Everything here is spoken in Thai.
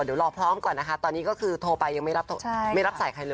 เดี๋ยวรอพร้อมก่อนนะคะตอนนี้ก็คือโทรไปยังไม่รับสายใครเลย